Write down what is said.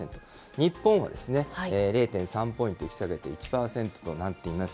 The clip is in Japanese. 日本は０．３ポイント引き下げて、１％となっています。